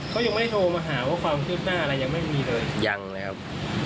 เขายังไม่โทรมาหาว่าความคืบหน้าอะไรยังไม่มีเลยยังเลยครับ